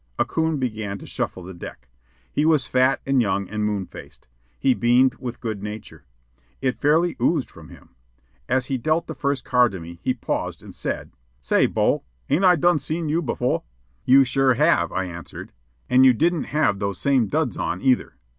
A coon began to shuffle the deck. He was fat, and young, and moon faced. He beamed with good nature. It fairly oozed from him. As he dealt the first card to me, he paused and said: "Say, Bo, ain't I done seen you befo'?" "You sure have," I answered. "An' you didn't have those same duds on, either."